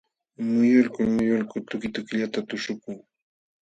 Miyulkul muyulkul tukitukillata tuśhukun.